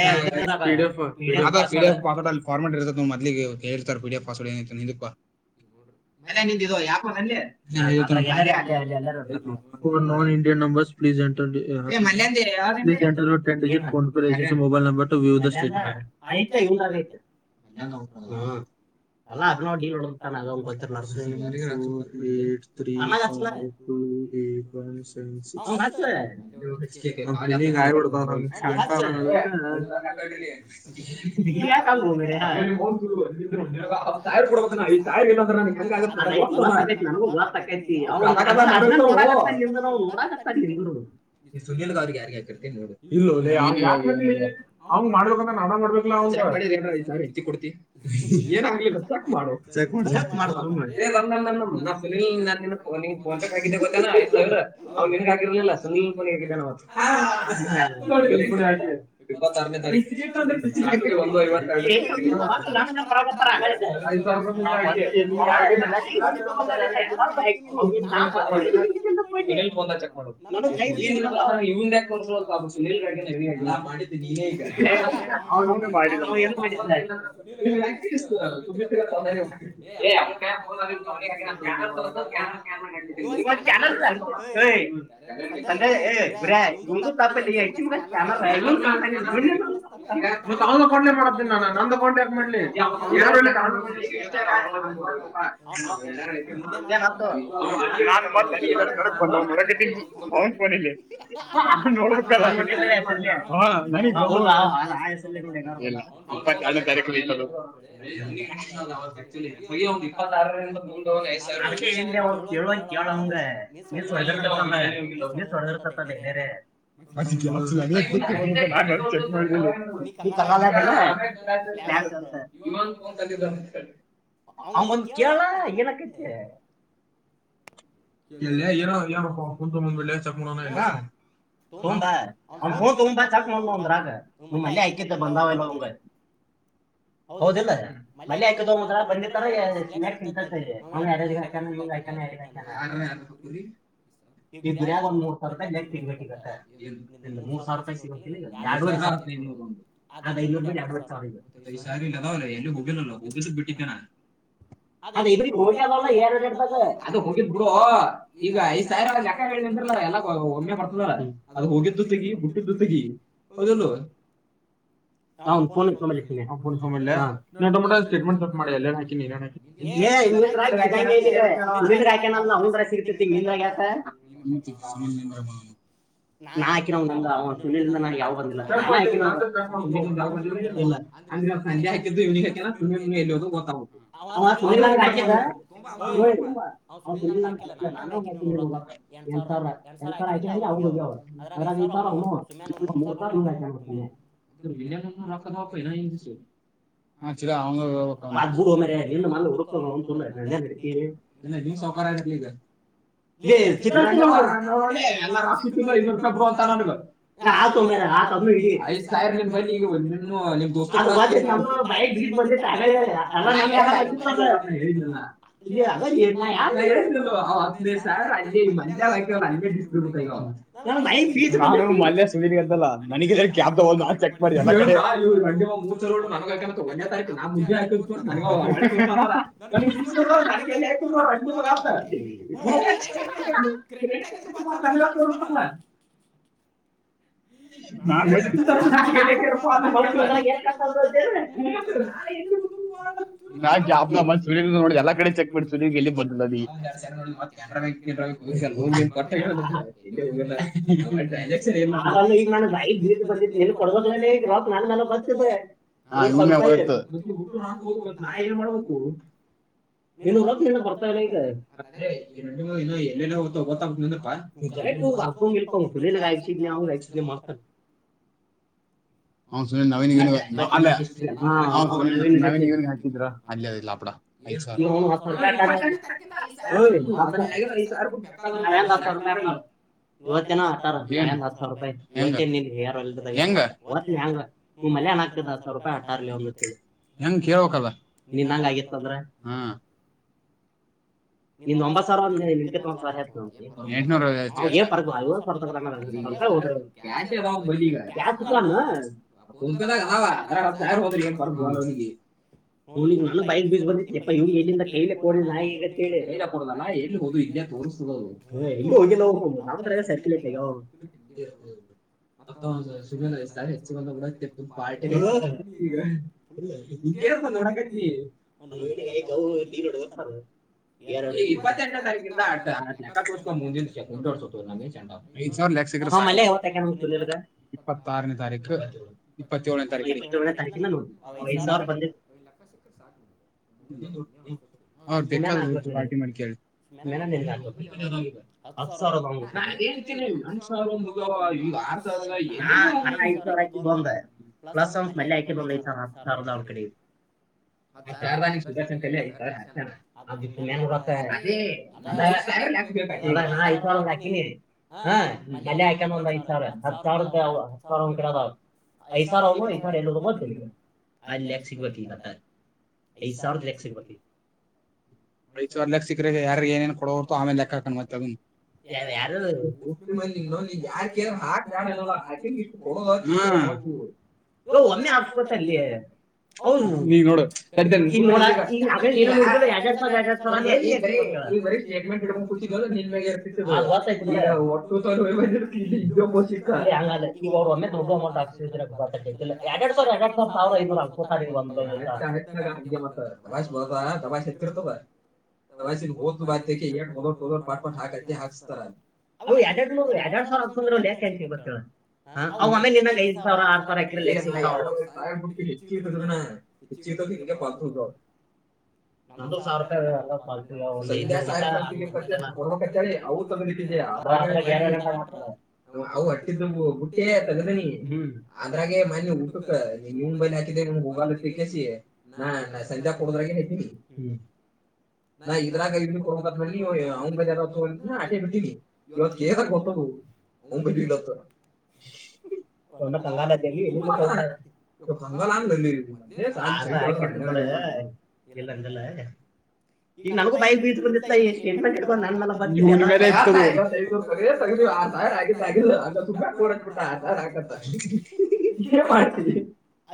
[unintelligible] Format ಇರ್ತತ್ ನೋಡ್ ಮದ್ಲಿಗೆ ಹೇಳ್ತಾರೆ ಪಿ ಡಿ ಫ್ ಪಾಸ್ವರ್ಡ್ ಏನಿತ್ ಒಂದ್ ಹಿಂದುಕ್ ಬಾ. ಅಲ್ಲ ನಿಂದ್ ಇದು ಯಾಕೋ ಬಲ್ಲಿ [unintelligible] number please enter [unintelligible] please enter your ten days [unintelligible] [unintelligible] ಮಯಂದ ಐತ್ಲೇ ಇವ್ನ್ದ್ರಾಗೈತೆ. ಅಲ್ಲ ಅದ ನಾ ಡೀಲ್ ಒಡತ [unintelligible] [unintelligible] [unintelligible] ನೀ ಯಾಕ್ ಅಲ್ ಹೋಗ್ ಬಿಡಿ ನ [unintelligible] ನನಗು ಗೊತ್ತಾಕ್ಕೈತಿ [unintelligible] [unintelligible] ಈ ಸುನಿಲ್ ಗ ಅವ್ರ ಯಾರಿಗ ಹಾಕಿರ್ತ ನೋಡು ಇಲ್ಲ ಲೇ [unintelligible] ಅವಂಗ್ ಮಾಡ್ಬೇಕಂದ್ರ ನಾನ ಮಾಡ್ಬೇಕ್ಲ ಅವ್ನ್ಗ [unintelligible] ಕೊಡ್ತಿ ಏನ್ ಆಗ್ಲಿಲ್ಲ. ಮಾಡು ಚೆಕ್ ಮಾಡು ಚೆಕ್ ಮಾಡು [unintelligible] ಫೋನ್ ಪೆ ತಾಕಿನ್ ಗೊತ್ತಾನ. ಅವ ನಿನಗ್ ಹಾಕಿರ್ಲಿಲ್ಲ ಸುನಿಲ್ ಫೋನೀಗ್ ಹಾಕಿದಾನ್ ಅವತ್ [unintelligible] ಸುನಿಲ್ ಫೋನಿಗ್ ಹಾಕ್ ಇಪ್ಪತ್ತಾರನೇ ತಾರೀಕ್ [unintelligible] ಒಂದು ಐವತ್ತ್ [unintelligible] [unintelligible] ಸುನಿಲ್ ಫೋನ್ ನಾಗ್ ಚೆಕ್ ಮಾಡು [unintelligible] ಸುನಿಲ್ [unintelligible] ಹೆವಿ [unintelligible] ಏಯ್ ಓನರ್ [unintelligible] ಚಾನಲ್ ಏಯ್ ಕನ್ ಏಯ್ ಗುರೆ ಇವ್ನ್ಗು [unintelligible] ಮತ್ತ್ ಅವ್ನ್ದ್ ಅಕೌಂಟ್ ಲೇ ಮಾಡತ್ತೀನ್ ನಾನು ನಂದ್ ಅಕೌಂಟ್ ಲೇ ಯಾಕ್ ಮಾಡ್ಲಿ [unintelligible] [unintelligible] ಯಾರ್ [unintelligible] ಅವ್ನ್ ಕೊಡಿಲ್ಲಿ ನೋಡ್ಬೇಕಲ್ಲ [unintelligible] [unintelligible] ಅವ್ರ್ ಆ ಆ ಹೆಸ್ರಲ್ಲಿ [unintelligible] ಅವತ್ತ್ ಅಕ್ಚುಲಿ ಫೈವ್ ಒಂದ್ ಇಪ್ಪತ್ತ್ ಅರರಿಂದ ಮುಂದೋಗಿ ಐದ್ ಸಾವಿರ [unintelligible] [unintelligible] [unintelligible] ಅವಂದು ಕೇಳೇಕ್ಕೆ [unintelligible] ಇ ಏರ ಯಏನಪ್ಪ [unintelligible] ಅವನ್ ಹೋನ್ ತಗ್ಂಬಾ ಚಾಕ್ ಮಾಡ ಅಂದ್ರಾಗ, ಹ್ ಮಲ್ಲಿ ಆಯಕತೆ ಬಂದಾವಲ್ಲ ಅವಂಗ. ಹೌದಿಲ್ಲಾ ಮಲ್ಲಿ ಆಯ್ಕದ ಹೋಗ್ದತ್ರ ಬಂದಿ ತಾರಯಕ್ ಸಿಗ್ತ ಯಾರಾನ ಹಕಾನ ಇಬರು ಯ ಒಂದ್ ಮೂರ್ ಸಾವಿರ ರೂಪಾಯಿ ಜಾಸ್ತಿಗ್ಬೇಕಿಗತ್ತ ಇನ್ನು ಮೂರ್ ಸಾವಿರ ರೂಪಾಯಿ ಸಿಗಿಲ್ಲಂದು ಅದ ಐನೂರು ಎಂಬತ್ತು ಸಾವಿ ಇತ್ತೈದು ಸಾವಿ ಇಲ್ಲದಾವಲ್ಲ ಎಲ್ಲಿ ಹೂಗಿ ಅಲ್ಲೋ ಹೂಗಲ್ದ ಬಿಟ್ಟಿದ್ದೆ ನಾನು ಅದ ಇ್ರಗ್ ಹೋಗ್ಯದಲ್ಲ ರ್ರಡುಡ್ದಾಗ ಅದ ಹೋಗಿದ್ ಬಿಡು ಈಗ ಐದ ಸಾವಿರ ಲೆಕ್ಕ ದ್ರಲ್ಲ ಎಲ್ಲ ಒಮ್ಮೆ ಮಾಡರ್ತದಲ್ಲ ಅ ಅದು ಹೋಗಿದ್ದು ತೆಗಿ ಬುಟ್ಟಿದ್ದು ತೆಗಿ ಹೇಳು ಹ ಫೋನ್ [unintelligible] ಸ್ಟೇಟ್ಮೆಟ್ ಚೆ ಮಾಡಿ ಅಲ್ಲ ನ್ ಹಾಕಿನಿ ನೀನ್ ಹೇ ಹಾಕ ಹಂದ್ರ [unintelligible] ಸಿಗತತಿ ಮ್ರಾಗ ಹಕ [unintelligible] ನಂದ ಅವ ತುಳಲ್ ಯಾವ್ ಬಂದಿಲ್ಲಂದ್ರೆ [unintelligible] ಸಂಜೆ ಹಾಕಿದ್ದು ಇವಿಗೆ ಹಾಕ [unintelligible] ಸುಲ್ ನ ಹಾಕಿದ್ದ ಸುನೀಲ್ ನ ಹಾಕಿಲ್ಲ ನಾನ ನ ಎಂತರ ಎರ ಆಯತಿ ಅಂದ ಅವಗ್ಯಾವ ಅದ್ರಾಗ ಈ ತರ ಅವನು ಮ ರಕ್ಕದ [unintelligible] [unintelligible] [unintelligible] ಎಲ್ಲಾ ಇನ್ನ [unintelligible] ಅಂತ ನನಗ ಸರ್ ನಿ ಬನ್ನಿ ನಿ ಬಕ್ ನಿಮ್ ದೋಸ್ತ [unintelligible] ಅ ಇಲ್ಲಿ [unintelligible] ಹಂಗೆ [unintelligible] ನನಗೆ ಗ್ಯಾಪ್ ಚೆಕ್ ಮಾಡೋ [unintelligible] [unintelligible] [unintelligible] [inaudible] [inaudible] ನಾನ್ ಗ್ಯಾಪ್ ಸನೀಲ್ ನೋಡ ಎಲ್ಲ ಕಡೆ ಚೆಕ್ ಮಾಡಿ ಸುನೀಲ್ ಗಲಿ ಬದಲ ಅ [unintelligible] ಕೊಟ್ಟ ಎಕ್ಷ ಈಗ ನಾನು ಬಾಯಿ ಗೀದ್ ಬಂದಿದ್ ನೀನ್ ಕೊಡ್ಬಾಗಲೇ ಈ ರಕ್ ನನ್ ಮೇಲ್ಲ ಬರ್ತಿದ್ದ ನಾ ಏನ್ ಹೋಯಿತು ಇನ ಹತ್ ದಿನ ನಿನ್ ಬರ್ತಡೇ ಅದೇ ಇಲ್ಲ ಎಲ್ಲೆ ಹೋಗ್ರ ಹಾಕೊಂಡ್ ಇಲ್ಕೊಂಡ್ ಸುನಿಲ್ ಗಾಕಿ ಆಯಕ್ಸಿದ್ ಅವ ಆಸಿದ ಮಾಡ್ತಾನ ಹ ಹಾಕಿದ್ರ ಅ ಇಲ್ಲ ಹಾ [unintelligible] [unintelligible] ಇವತ್ತೇನ ಅರ ಹೆಂಗ ಹತ್ ಸಾವರ ರೂಪಾಯಿಂಗ ಒಟ್ನಲ್ಲಿ ಹಂಗ್ ಮಲ್ಯಾಣ್ ಆಗ್ತ ಹತ್ ಸಾವಿರ ರೂಪಾಯಿ ಹಟಾರಲಿ ಒಂದ ಹೆಂಗ್ ಕೇಳಳ್ಕ್ದ ನೀನ್ ಹಂಗ ಆಗಿತ್ತ ಅದ್ರ ಹಾ ಇಂದ ಒಂಬತ್ ಸಾವಿರ ಒಂದ ನಿತ್ ಒಂದ್ ಎಂಟುನೂರು ಐವತ್ತು ಫರ್ಕ್ [unintelligible] ನಮ್ಕಾಡ ಅದವ ಆದ್ರೆ ಯಾರು ಹೋಗಲಾ [unintelligible] ತಯು ಹೋದ್ರಿ ಹ ಬೈಕ್ ಬೀಸ್ ಬಂದಿ ಇವ್ ಎಲ್ಲಿಂದ ಕೈಲೆ ಫೋನ್ ಹೇಳಿ ಬೈ ಕೊಡದಲ್ಲ ಎಲ್ಲಿ ಹದು ಇಲ್ಲ ತೋರಿಸೋದು ಎಲ್ಲಿ ಹೋಗ ನ್ ತರಗ ಸರ್ಕಲೇಟ [unintelligible] ಸಾರೆ ಹೆಚ್ಚು ಬಂದಿದೆ ಪಾರ್ಟಿ [unintelligible] ಎರಡು ಇಪ್ಪತ್ತೆಂಟನೇ ತೀಕಿಂದಕ್ಕೊಂಡ ಮುಂದಿನಡ್ಸೋ [unintelligible] ಇಪ್ಪತ್ತಾರನೇ ತಾರೀಕು ಇಪ್ಪತ್ತ ಏಳನೇ ತಾರೀಕಿನ ನೋಡ್ರಿ ಅವಐದ ಸಾವಿರ ಬಿದ್ದು ಅವ್ರು [inaudible] ಪಾರ್ಟಿ ಮನ್ ಕೇಳು ನಾನಿಲ್ಲ [unintelligible] ಹತ್ತುಸಾವ್ರ ಬಾ ಹೋಗಣ್ ನಾದೇಳ್ತೀನಿ ಹನ್ ಸಾವಿ ಮುಗ ಈ ಆರು ಸಾವ್ರ [unintelligible] ಐದು ಸಾವಿರ ಹಾಕಿ ಬಂದೆ ಪ್ಲಸ್ಸ ಅವ ಮೆಲ್ಲ ಆಕಿಂದ [unintelligible] ಆಳ ಕಡೆ ಪ್ರಾರ್ದನ ಶುಭ ಸಂಕಲಿ ಐತ್ ಬಾರ ಹ [unintelligible] ಆ ಮ್ಯಾನ್ ಗೊತ್ತಾ ಅದೇ [unintelligible] ಮಿನಿ ಆ ಮೊನ್ನೆ ಹಾಕೇನ್ ಒಂದ್ ಐದು ಸಾವಿರ ಹತ್ತ್ ಸಾವಿರ ರೂಪಾಯಿ ಅವು ಅವ್ನ್ ಕಡೆ ಅದಾವ್ ಐ ಸಾರ [unintelligible] ಆ ಲಕ್ ಸಿಬೇಕಗತಾರೆ ಐದ್ ಸಾವಿರ ದ್ದು ಲಕ್ ಸಿಗ್ಬೇಕು ಈಗ ಪೈಸರ್ಲೆ ಸಿಕ್ಕ್ರ ಯಾರ ಏನೇಏನ್ ಕೊಡೋರ್ತೋ ಆಮೇಲೆಕ್ಕಾಕೊಂಡು ಮತ್ತೆ ಅದನ್ ಯ ಯಾರ [unintelligible] ಷ್ಟಿ ಬಂದ ನ ಯಾಕೆ ಹಾಕ್ [unintelligible] ಯಾರನ ಹಾಕಿಂಗ ಇಷ್ಟು ಕೊಡ ಹ್ಮ್ ಒಮ್ಮೆ ಆಾಕ್ಸ್ಪತ್ತ ಆಗಿವೆ ಹೌದು ಈಗ ನೋಡು ಅದ್ದಗ್ ಮಿಸ್ಸಿಗೆ ನೋಡಾಕ [unintelligible] [unintelligible] ಈ ಬರಿ ಸ್ಟೇಟ್ಮೆಂಟ್ ಹಿಡ್ಕಂಡ್ ಕೂತಿದ್ದು ನಿನ್ನಬಗ್ಗೆ ಇರ್ತಿತ್ ಆ ಗೊತ್ತೈತೆ ಬಿಡ್ಲಾ [unintelligible] [unintelligible] ಎರಡ್ ಸಾವಿರ ಎರಡ್ ಸಾವಿರ ಸಾವಿರ ಐನೂರ [unintelligible] ಹಂಗಿ ಮತಾ ಬಾ ಬಾ [unintelligible] ಕೊಟ್ ಕೊಟ್ ಸಾಕಾಯ್ತು ಹಾಕ್ಸ್ತಾರ ಅವು ಎಡ್ ಎಡೆಡ್ ಸಾವರ ಹಾಕ್ತಂದ್ರ ಯಾಕೆ ಬರ್ ಹೇಳ ಹ ಆಮೇಲೆಾಗ ಐ್ ಸಾವಿರ ಆರ್ ಸಾವಿರ ಎಕರೆ ಲೇ [unintelligible] ಐತ್ ತಂಗೆ ಪಥ್ದೂ ನಂದು ಸಾವಿರ ರೂಪಾಯಿ [unintelligible] ಅವು ತಗದಿಟ್ಟಿದ್ದೆ ಅವು ಹಟ್ಟಿದ ಗುಟ್ಟಿಯ ತಗದನಿ ಹ್ಮ ಅದ್ರಾಗೆ ಮನ್ಿ ಊಟಕ್ಕ ಇವನ್ ಬಲಿ ಹಾಕಿದ ಇವನ್ ಹೋಗ ಕೆಸಿ ನಾ ಸಂಜ ಹೋಗದ್ರಾಗ ಅದೀನಿ ಹ್ಮ್ ಇದರಾಗ ಇನ್ನೂ ಕೊಡ್ಬಕ್ ಮಾಡಿವಿ ಅವನು ಬೇರೆ ತಗೊ ಇ ಆಟೆ ಬಿಡ್ಟ್ಟೀನಿ ಇವತ್ತುಗಕ್ ಗೊತ್ತದ ಒಂಬತ್ತುತ್ತ ಒ ಕಂಗಾಲ್ ಅದ್ಯಾಗಿ [unintelligible] ಕಂಗಾಲ ಹಂಗ ಬಂದೆ [unintelligible] ಇನ್ನೊಡೆ ಎಲ್ಲ ಅಂಗಲ್ಲ ಈಗ ನನಗೂ ಬಾಯ್ ಬೀಜ್ ಬಂದಿತ್ತ ಸ್ಟೇಟ್ಮೆಂಟ್ ಇಡ್ಕೊಂಡ ನನ್ ಮಲ್ಲ ಆ ಆಗ ಆಲ್ಲುಾ ಕೋಡಟ ಆ ಆಗ [unintelligible] ಏನ್ ಮಾಡ್ತೀ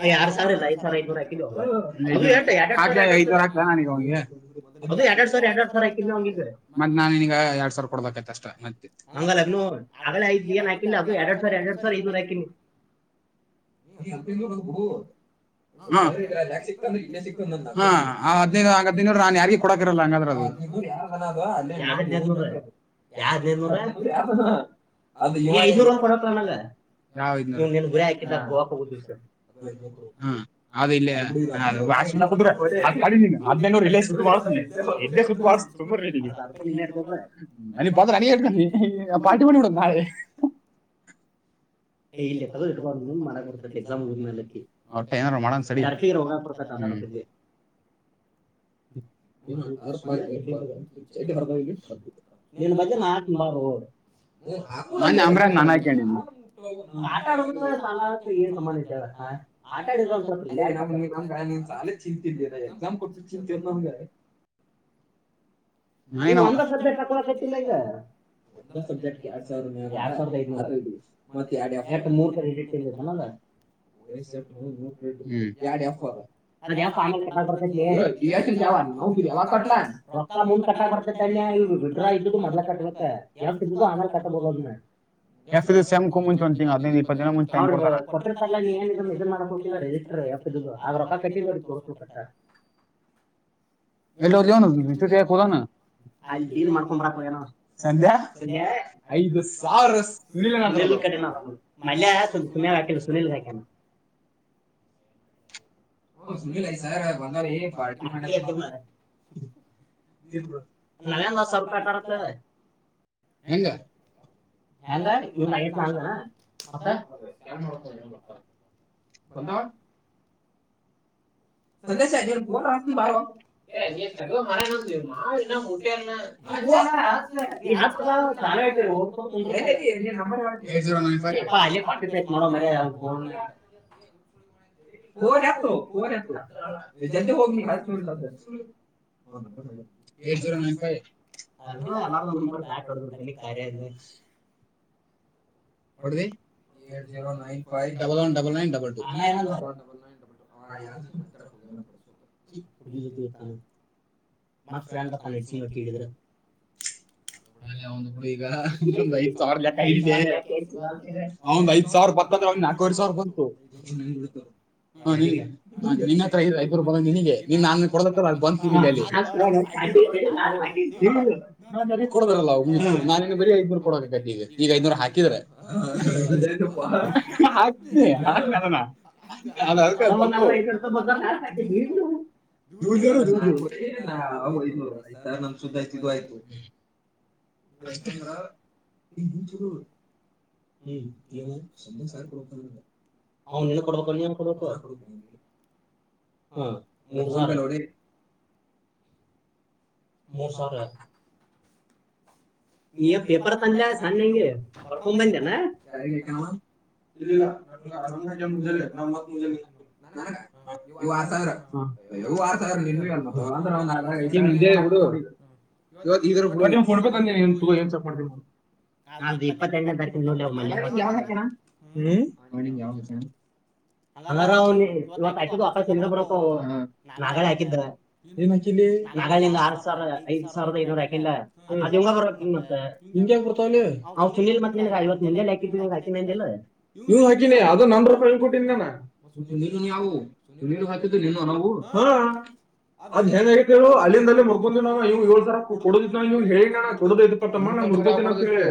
ಆ ಯಾರ್ ಸಾವಿರ ಇಲ್ಲ ಐದು ಸಾವಿರ ಐನೂರ ಕಿಲೋ [unintelligible] ದು ಎರಡ್ ಸಾವ್ರ ಎರಡ್ ಸಾವ್ರ ಆಕಿನ್ ಅವನ್ಗೀಗ ಎರಡ್ ಸಾವಿರ ಕೊಡ್ಬೇಕ ಅಷ್ಟ ಮತ್ತೆ ಹಂಗಲ್ಲನು ಆ ಐದ್ಏ ಹಾಕಿಲ್ಲ ಅದು ಎರಡ್ ಸಾವಿರ ಎರಡ್ ಸಾವರ ಐನೂರ್ ಹಾಕಿನಿ ಏ ಅಂಪಿಂಗ ನೂರೊಂದು ಕೊಡು ಹ್ಮ ಲೇಕ್ ಸಿಗ್ತಂದ್ರೆ ಇಲ್ಲೆ ಸಿಗ್ತಾದ್ ನನ್ನ ಹ ಹದ್ದು ಹಂಗ ಹದ್ನೈ ನಾನ್ ಯಾರಗ ಕೊಡಕಿರಲ್ಲ ಹಂಗಾದ್ರ ಅದು [unintelligible] ಯ ಅದು ಇವ [unintelligible] ಐನೂರು ಕೊಡಕ್ನಲ್ಲ ನ್ ಗುರಿ ಹಾಕಿದ್ದ ಗೋಕ್ ಹೋಗುದಿವ ಸರ್ ಮದ್ನ ಇಲ್ಲೇ ಸುತ್ತು ಬತ ಎದ್ದೆ ಸುತ್ತು ಬ ತು [unintelligible] ನನ್ನ ಪತ್ರ ಅನ ಹಡ್ತ ಪಾರ್ಟಿ ಪಿ ಬಿಡ ನಾಳೆ ಏ ಇಲ್ಲೇ ತಗ್ದಿಟ್ಕೋ ಮುಂದು ಮಾಡಕ್ ಬರ್ತತಿ ಎಕ್ಸಾಮ್ ಮುಗುದ್ಮೇಲೆ ಅತಿ ಒಟ್ಟ ಏನಾರ ಮಾಡೋಣ ಸರಿ ದರ್ತಿ ರೋಗ ಬರುತ್ತದೆ ಹ್ಮ್ ಹೊ ನಿನ್ನ ಬಗ್ ನಾಕ ಬಾರ ಹ ನನ್ ಅಂಬ್ರಾಗ್ ನಾನೇ ಹಾಕ್ಯಾಂಡಿದ್ದೀನಿ ಆಟ ಆಡೋೂಪಾಯ ಸಾಲ ಏ ಏನ್ ಸಂಬಂಧ ಏಳ ಆಟಾಡಿದ್ ಒಂದ್ ಸ್ವಲ್ಪ ಲೇ [unintelligible] ಚಾಲೆ ಚಿಂತೆಂತ ಇಲ್ಲ ಎಕ್ಸಾಮ್ ಕೊಟ್ಟ ಚಿಂತೆ ಇನ್ನಂಗಾರೆ ಒಂದ ಸಬ್ಜೆಕ್ಟ್ಕಡ ಕಟ್ಟಿಲ್ಲ ಈಗ ಒಂದ ಸಬ್ಜೆಕ್ಟ್ ಎರಡ್ ಸಾವಿರ ಮ್ಯಾಲ ಸಾವಿರದ ಐದುನೂರು ಮೂರು ಕ ಎಟ್ ಒಸ ಎ ನವು ಕಟ್ಲ ರ ಕಟ್ಟ ಬರ್ತೈ ವಿಡ್ರಾ ಇದ್ದುದು ಮೊದಲ ಕಟ್ಟಬೇಕಕ್ ಯಾವ ತು ಆಮೇಲೆ ಕಟ್ಟಬೋದನ್ನ ಎಫ್ ಎಂ ಮುಂ ಮಾಡಿಲ್ಲಿಸ್ಟರ್ ಎಲ್ಲೋನು ಮೋದ ಅಲ್ಲಿ ಡೀಲ್ ಮಾಡ್ಕೊಂಬರಾಕ ಏನೋ ಸಂಜೆ ಐದು ಸಾವಿರ ಕಡೆ ಮೆ ಆಯ ಬಾಕ ಸುನಲ್ ಬಕ ಹ ಸುನಿಲಐ ಸರ್ ಬಂದ ಪಾರ್ಟಿ ಮಾಡ ಇ ನ ಸ್ವರ್ ಕಟ್ಟಡಕ್ಕೆ ಹೆಂಗ ಹಂದ ಇಣ ಮತ್ತ ಹಂದ ಸಂದೇಶ ನೀನು ಪಾಸ ಬಾರವಾ ಲ ಚ ದಕ ಅಲ್ಲೇ ಪಟ್ಟ ಪೇಸ್ ಮಾಡೋ ಮ್ರ ಅವನ್ ಫೋನ್ ಅ ಫೋನ್ ಯತ ಫೋನ್ ಆತ ಜಲ್ತೆ ಹೋಗ್ನಿ ಕ ಅ ಎಲ್ಲಾರ ಮುರ್ಯಾಟ್ ಕರ ಇ ಹೊಡದ ಏಟ್ ಜೀರೋ ನೈನ್ ವ double one double double double nine ಡಲ್ ಟ ಯ ಹಜ ಮ ಡನ್ನಡ್ಸಿಂಗಟ್ಟಿ ಹಿಡಿದಿದರು ಅ ಕೂಡ ಈಗ ಐ ಸಾವಿ ಐ ಸಾವಿರ ನಕೋಡ್ ಸರ್ ಬ ಯಾರಿಗೆ ಹ ಐರು ಬಂದ ನಿನಗೆ ನೀನ್ ನಾನ ಕೊಡದತ್ತ ಅದು ಬಂದಿಲ್ಲ ಅಲ್ಲಿ ನಾನ್ ಅ ಕೊಡದಾರಲ್ಲ ನಾನ ಬರೀ ಐದ್ನೂರ್ ಕೊಡಬೇಕತಿ ಈಗ ಈಗ ಐದ್ನೂರ್ ಹಾಕಿದ್ರೆ ಅಣ ಅ ಹ ಮ ಸಾೆ ದೀವ ಾನೂ ಆಯ್ತ ನಮ ಸುದತ ಆಯ್ತಿದ್ದ ಆಯ್ತು ರಷ್ಟತೆ ಹ್ಮ್ ನ ಸ್ವಭ ಸಾರ ಕೊಡತ ಅವ್ನ್ ಕೊಡ್ಬೇಕುನ್ ಕೊಡ್ಬೇಕುಗೆ ಹಾ ಮು ಮೂೋ ಸರ ಈ ಪೇಪರ್ ತಂದಲ ಸ ನಗೆ ಪಫೋಮ ಬಂದ ಇಲ್ಲಲ್ಲ ನ ಹ ಮುಂಜ ನಮ್ಮ ಮುಂಜ ಇವು್ ಆರ್ತ ಇರ ಇವು ಆರ್ತಾ ಇರ ನಿನ್ವ ಅಲ್ಲ್ರ ಒ ಇವ ಹೊಡ್ಬೇಕಂದ ತ ಏನ್ ಸಕೊಂಡ ಹದು ಇಪ್ಪತ್ತ ಎ್ಣೇ ತಾರಕ ನೂ ಹ್ಮ ಯ ಹಂಗಾರ ನೀ ಇವತ್ತು ಆಯತ ತಿ ಬರ ನಾಗಳಿ ಹಾಕಿದ್ರಾಳ ಾವಿ ಐದ್ ಸಾವಿದ ಐನೂರಾಕ ಅಂಗ ಬ ಮತ್ತುಿಲ್ತ್ತ ನಿಂಗೆ ಮುಂಜಾನೆ ಅಕಿದ್ದು ಈವಾಗ ಅಕಿನಿ ಅಂದೇ ಅಲಾ ನೀವ ಹಾಕಿನಿ ಅದ ನನ್ ರೂಪಾಯಿ ಹಳ್ಬಟ್ಟಿನಿ ನ ನೀವು ನಿಲು ಹೆ ನಿ ಹ ಹ ಅ ಹನೇಳ ಅಲ್ಲಿಂದ ಮರ್ಕೊಂಡೀವವವು ಏಳ್ ಸರ ಕೊಡುದಿದ್ನ ನೀವ್ ಹೇಳಿ ನಣ್ಣ ಕೊಡದಐಪ್ಪಮ್ಮ ನ ಮುರ್ಗಿದನ ಅಂತ ಹೇಳ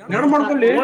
ನ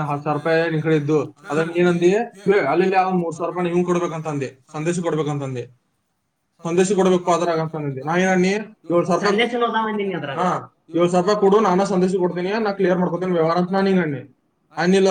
ಸರಿ ಹತ್ತು ಸಾವಿರ ರೂಪಾಯಿ ಯಾರಿಗಿ. ನನ್ ಕಡೆದ್ದು ಅದನ್ನ ಏನಂದ ಹೇಳ ಅಲ್ಲಿ ಯಾವ್ ಮೂರ್ ಸಾವಿರ ರೂಪಾಯಿ ನೀವ್ ಕೊಡ್ಬೇಕ ಅಂತ ಅಂದೆ ಸಂದೇಶ. ಕೊಡ್ಬೇಕಂತಂದೆ. ಸಂದೇಶಗ ಕೊಡಬೇಕು ಪಾ ಆದ್ರಗ ಅಂತ ಅಂದಿದ ನಾ ಎನ್ ಅಂದಿನಿ ಏಳು ಸಾವಿರ. ರೂಪಾಯಿ ಕೊಡು ನಾನ ಸಂದೇಶ್ ಕೊಡ್ತೀನಿ ನಾ ಕ್ಲಿಯರ್ ಮಾಡಕೊತಿನ ವ್ಯವಹಾರ ಅಂತ ಇಂಗ ಅಂದಿನಿ. ಅನಿಲ.